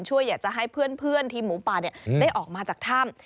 ช่วยให้เพื่อนที่หมูปลาได้ออกมาจากถ้ำ